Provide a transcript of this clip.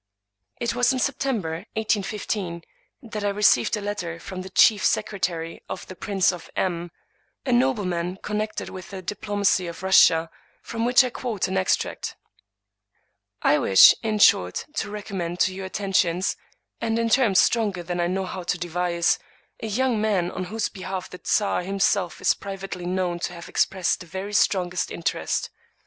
It was in September, 1815, that I received a letter from the chief secretary to the Prince of M , a nobleman connected with the diplomacy of Russia, from which I quote an extract :" I wish, in short, to recommend to your attentions, and in terms stronger than I know how to de vise, a young man on whose behalf the czar himself is privately known to have expressed the very strongest in terest.